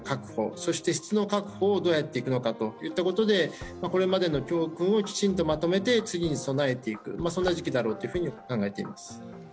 そして質の確保をどうやっていくのかといったことでこれまでの教訓をきちんとまとめて次に備えていく時期だと考えております。